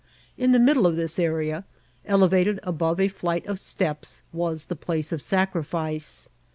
In the middle of this area, elevated above a flight of steps, was the place of sacrifice.